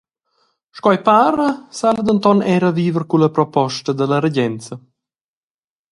Sco ei para sa ella denton era viver culla proposta dalla regenza.